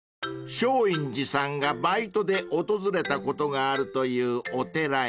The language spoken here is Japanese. ［松陰寺さんがバイトで訪れたことがあるというお寺へ］